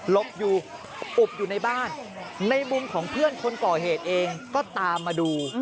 บอยู่อบอยู่ในบ้านในมุมของเพื่อนคนก่อเหตุเองก็ตามมาดู